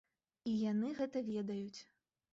І яны гэта ведаюць.